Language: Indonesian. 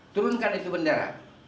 turunkan itu bendera